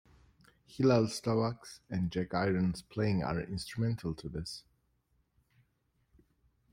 Hillel Slovak's and Jack Irons's playing are instrumental to this.